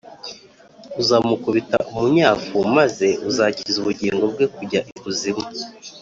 uzamukubita umunyafu, maze uzakiza ubugingo bwe kujya ikuzimu